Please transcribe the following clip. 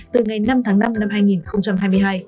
từ ngày năm tháng năm năm hai nghìn hai mươi hai